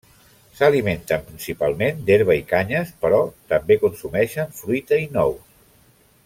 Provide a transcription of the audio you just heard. S'alimenten principalment d'herba i canyes, però també consumeixen fruita i nous.